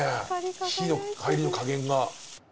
火の入りの加減が。